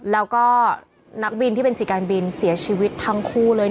แล้วก็นักบินที่เป็นสีการบินเสียชีวิตทั้งคู่เลย